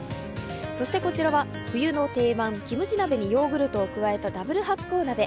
そしてこちらは冬の定番キムチ鍋にヨーグルトを加えたダブル発酵鍋。